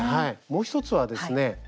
もう１つはですね